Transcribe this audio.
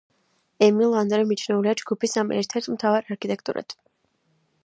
ემილ ანდრე მიჩნეულია ჯგუფის ამ ერთ-ერთ მთავარ არქიტექტორად.